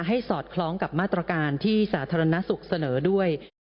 สอดคล้องกับมาตรการที่สาธารณสุขเสนอด้วย